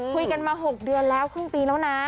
คุยกันมา๖เดือนแล้วครึ่งปีแล้วนะ